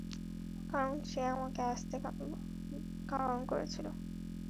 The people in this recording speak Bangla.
কারণ, সে আমাকে আসতে কারণ করেছিল।